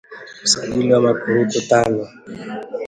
Usajili wa makurutu tano